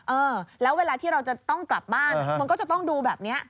เออแล้วเวลาที่เราจะต้องกลับบ้านมันก็จะต้องดูแบบนี้